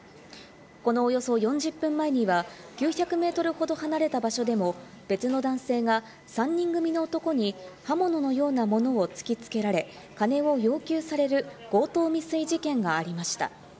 このおよそ４０分前には、９００ｍほど離れた場所でも、別の男性が３人組の男に刃物のようなものを突きつけられ、金を要求される強盗未遂事件がありました。